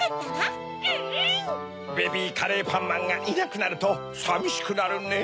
ベビーカレーパンマンがいなくなるとさみしくなるねぇ。